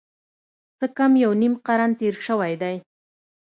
څه کم یو نیم قرن تېر شوی دی.